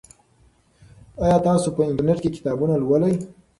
آیا تاسو په انټرنیټ کې کتابونه لولئ؟